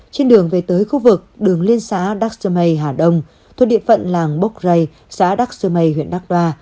trên đường về tới khu vực đường liên xã đắc sơ mây hà đông thuộc địa phận làng bốc ray xã đắc sơ mê huyện đắc đoa